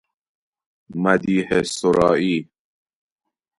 مدیحه سرائی